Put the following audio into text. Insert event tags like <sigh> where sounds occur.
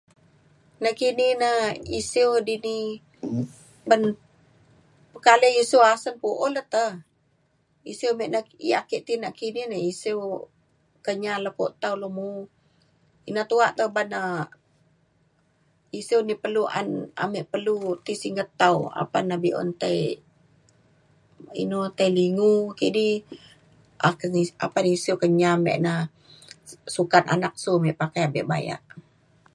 nakini na isiu dini ban pekalai isiu asen pu’un le te. isiu be yak ake nakidi ti ni isiu Kenyah Lepo Tau Long Mo ina tuak te uban ne isiu ni ame perlu ti singget tau apan na be’un tai inu tai lingu kidi <unintelligible> apan isiu Kenyah me na sukat anak su me pakai abe bayak.